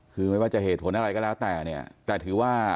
คือไม่ว่าจะเหตุผลอะไรก็แล้วแต่เนี่ย